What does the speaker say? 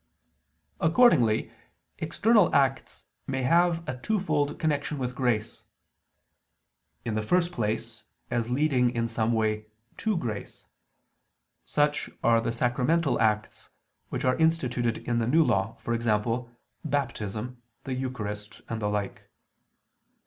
Accordingly external acts may have a twofold connection with grace. In the first place, as leading in some way to grace. Such are the sacramental acts which are instituted in the New Law, e.g. Baptism, the Eucharist, and the like.